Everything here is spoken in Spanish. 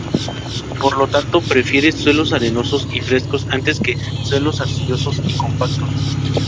Por lo tanto, prefiere suelos arenosos y frescos antes que suelos arcillosos y compactos.